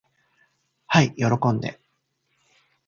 はい喜んで。